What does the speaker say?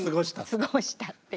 過ごしたっていう。